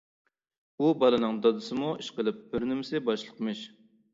ئۇ بالىنىڭ دادىسىمۇ ئىشقىلىپ بىر نېمىسى باشلىقىمىش.